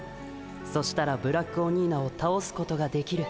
そしたらブラックオニーナをたおすことができる。